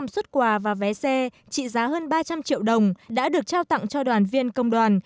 một trăm linh xuất quà và vé xe trị giá hơn ba trăm linh triệu đồng đã được trao tặng cho đoàn viên công đoàn